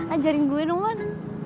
ajarin gue roman